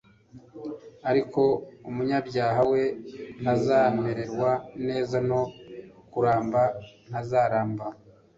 ariko umunyabyaha we ntazamererwa neza no kuramba ntazaramba